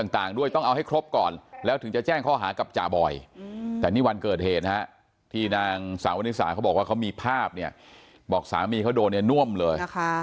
ที่นางสวนศักดิ์สารเขาบอกว่าเขามีภาพเนี่ยบอกสามีเขาโดนเนี่ยน่วมเลย